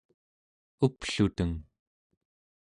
upluteng